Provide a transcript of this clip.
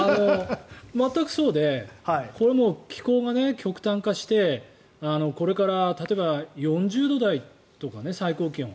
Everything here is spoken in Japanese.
全くそうでこれも気候が極端化してこれから例えば４０度台とか、最高気温。